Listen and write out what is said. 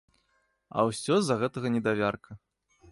А ўсё з-за гэтага недавярка.